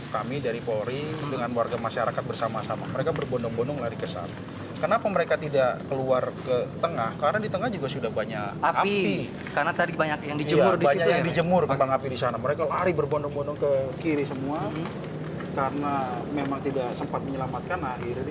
koresponden rony satria berbincang langsung terkait kronologis dan penyebab kebakaran pabrik petasan adalah akibat adanya aktivitas pengelasan